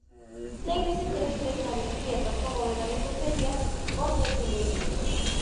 La iglesia tiene tres naves cubiertas con bóveda de crucería con terceletes.